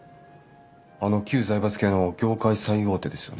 あの旧財閥系の業界最大手ですよね？